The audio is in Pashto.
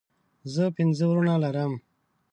زه پنځه وروڼه لرم